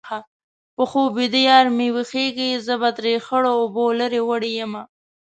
په خوب ویده یار چې ويښېږي-زه به ترې خړو اوبو لرې وړې یمه